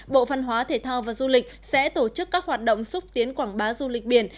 bộ văn hóa thể thao và du lịch sẽ tổ chức các hoạt động xúc tiến quảng bá du lịch biển